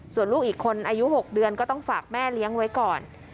ส่วนลูกอีกคนอายุ๖เดือนก็ต้องฝากแม่เลี้ยงไว้ก่อน